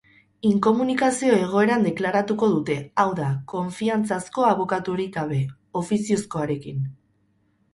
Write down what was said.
Inkomunikazio egoeran deklaratuko dute, hau da, konfiantzazko abokaturik gabe, ofiziokoarekin.